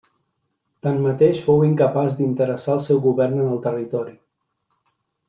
Tanmateix fou incapaç d'interessar el seu govern en el territori.